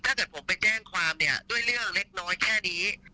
ถ้าเกิดผมไปแจ้งความเนี่ยด้วยเรื่องเล็กน้อยแค่นี้